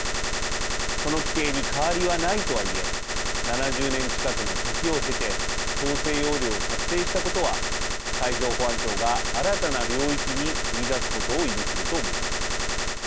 その規定に変わりはないとはいえ７０年近くの時を経て統制要領を策定したことは海上保安庁が新たな領域に踏み出すことを意味すると思います。